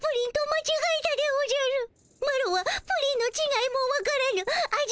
マロはプリンのちがいもわからぬ味